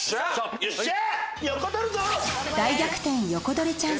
よっしゃ！